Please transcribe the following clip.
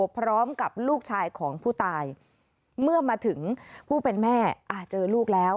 พร้อมกับลูกชายของผู้ตายเมื่อมาถึงผู้เป็นแม่เจอลูกแล้ว